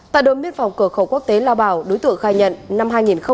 tại đồn biên phòng cửa khẩu quốc tế lao bảo đối tượng khai nhận năm hai nghìn một mươi ba